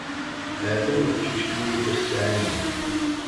Hatan uqcic-nni yufan ssaɛa-inek.